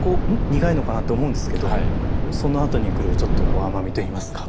苦いのかな？」って思うんですけどそのあとに来るちょっとこう甘みといいますか。